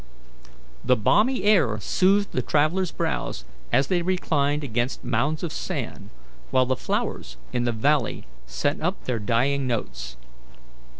The balmy air soothed the travellers' brows as they reclined against mounds of sand, while the flowers in the valley sent up their dying notes.